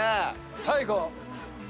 最後。